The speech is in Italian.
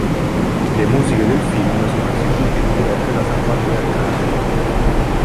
Le musiche del film sono eseguite e dirette da Salvatore Accardo.